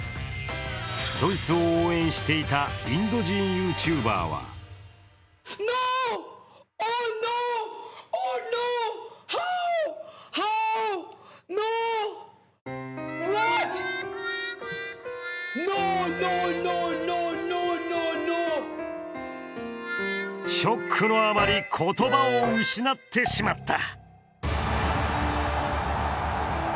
ドイツを応援していたインド人ＹｏｕＴｕｂｅｒはショックのあまり言葉を失ってしまった。